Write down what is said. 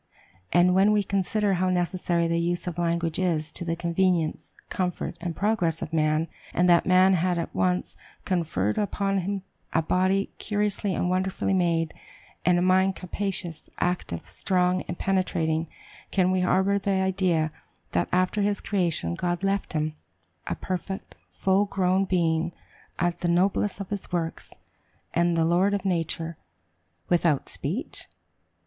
And when we consider how necessary the use of language is to the convenience, comfort, and progress of man, and that man had at once conferred upon him a body "curiously and wonderfully made," and a mind capacious, active, strong, and penetrating, can we harbor the idea that after his creation, God left him, a perfect, full grown being, the noblest of his works, and the lord of nature, without speech?